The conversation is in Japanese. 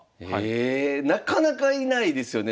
えなかなかいないですよね。